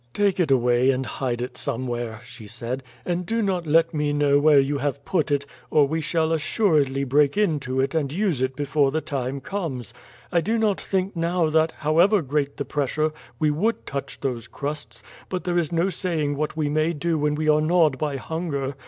"Take it away and hide it somewhere," she said; "and do not let me know where you have put it, or we shall assuredly break into it and use it before the time comes. I do not think now that, however great the pressure, we would touch those crusts; but there is no saying what we may do when we are gnawed by hunger.